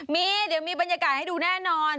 มีเดี๋ยวมีบรรยากาศให้ดูแน่นอน